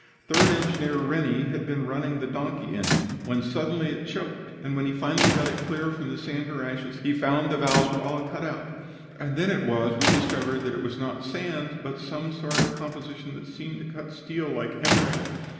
Third Engineer Rennie had been running the donkey engine, when suddenly it choked, and when he finally got it clear from the sand or ashes, he found the valves were all cut out, and then it was we discovered that it was not sand, but some sort of a composition that seemed to cut steel like emery.